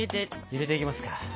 入れていきますか。